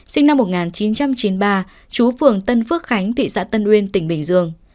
sinh năm một nghìn chín trăm chín mươi ba chú phường tân phước khánh thị xã tân uyên tỉnh bình dương